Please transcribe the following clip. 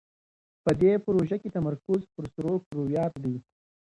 په دې پروژه کې تمرکز پر سرو کرویاتو دی.